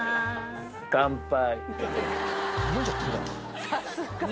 乾杯！